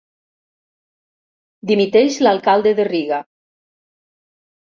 Dimiteix l'alcalde de Riga.